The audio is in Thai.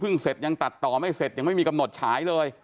เสร็จยังตัดต่อไม่เสร็จยังไม่มีกำหนดฉายเลย